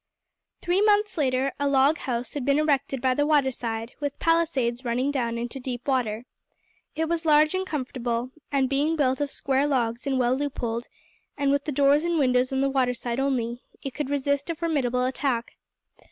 Three months later a log house had been erected by the water side, with palisades running down into deep water. It was large and comfortable, and being built of square logs and well loopholed, and with the doors and windows on the water side only, it could resist a formidable attack.